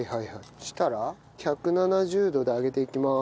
そしたら１７０度で揚げていきます。